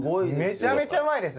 めちゃめちゃうまいです。